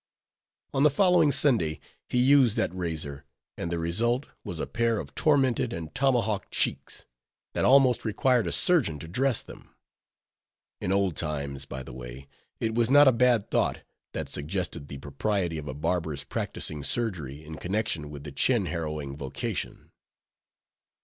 On the following Sunday, he used that razor; and the result was a pair of tormented and tomahawked cheeks, that almost required a surgeon to dress them. In old times, by the way, it was not a bad thought, that suggested the propriety of a barber's practicing surgery in connection with the chin harrowing vocation.